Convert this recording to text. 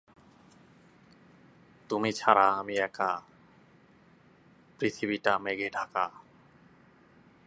তিনি "ডেইলি সংগ্রাম" ও দ্য সাপ্তাহিক সোনার বাংলার সভাপতির দায়িত্বও পালন করেছিলেন।